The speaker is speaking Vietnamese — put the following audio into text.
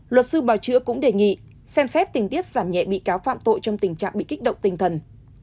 luật sư bào chữa cũng đề nghị xem xét tình tiết giảm nhẹ bị cáo phạm tội trong tình trạng bị kích động tinh thần